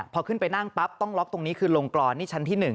พอขึ้นไปนั่งปั๊บต้องล็อกตรงนี้คือลงกรอนนี่ชั้นที่๑